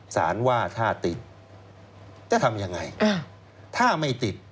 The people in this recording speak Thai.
สารว่าถ้าติดจะทำยังไงถ้าไม่ติด